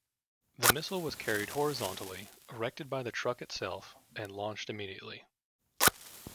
The missile was carried horizontally, erected by the truck itself, and launched immediately.